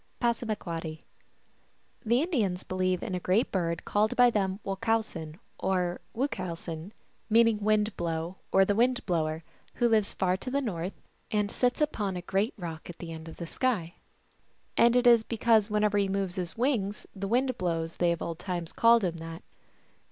(Passamaquoddy.) The Indians believe in a great bird called by them Wochowsen or Wuchowsen, meaning Wind Blow or the Wind Blower, who lives far to the North, and sits upon a great rock at the end of the sky. And it is because whenever he moves his wings the wind blows they of old times called him that.